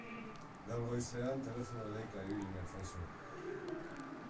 Gaur goizean telefono deika ibili natzaizu.